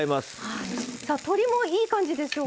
鶏もいい感じでしょうか。